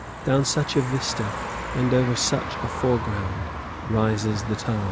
Down such a vista, and over such a foreground, rises the Taj."